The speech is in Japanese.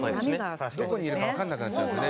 どこにいるかわかんなくなっちゃうんですね